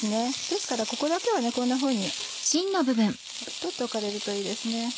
ですからここだけはこんなふうに取っておかれるといいですね。